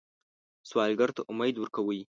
سوالګر ته امید ورکوئ